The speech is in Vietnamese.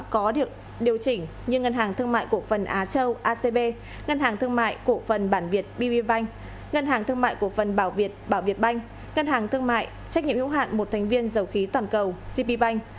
có điều chỉnh như ngân hàng thương mại cổ phần á châu acb ngân hàng thương mại cổ phần bản việt bbbank ngân hàng thương mại cổ phần bảo việt bảo việt banh ngân hàng thương mại trách nhiệm hữu hạn một thành viên dầu khí toàn cầu gbbank